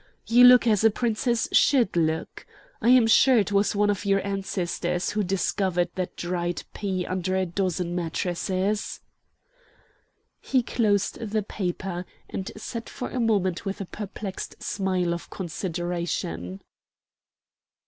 "You look as a princess should look. I am sure it was one of your ancestors who discovered the dried pea under a dozen mattresses." He closed the paper, and sat for a moment with a perplexed smile of consideration.